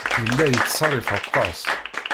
Yella yettṣerrif aṭas.